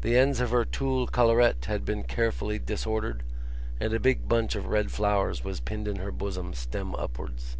The ends of her tulle collarette had been carefully disordered and a big bunch of red flowers was pinned in her bosom, stems upwards.